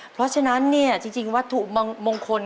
เพราะฉะนั้นจริงวัตถุมงคล